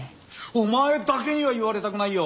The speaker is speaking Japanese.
お前だけには言われたくないよ！